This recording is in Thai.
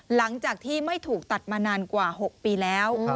หลังจากที่ไม่ถูกตัดมานานกว่า๖ปีแล้ว